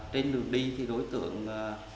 trên đường đi thì đối tượng